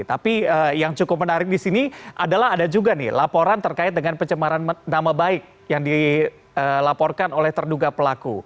tapi yang cukup menarik di sini adalah ada juga nih laporan terkait dengan pencemaran nama baik yang dilaporkan oleh terduga pelaku